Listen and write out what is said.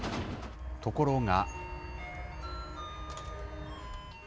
ところが。